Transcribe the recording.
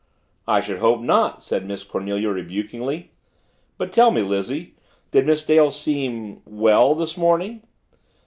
"I should hope not," said Miss Cornelia rebukingly. "But tell me, Lizzie, did Miss Dale seem well this morning?"